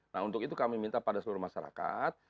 nah untuk itu kami minta pada seluruh masyarakat